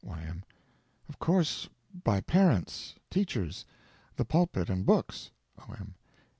Y.M. Of course by parents, teachers, the pulpit, and books. O.M.